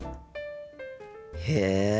へえ。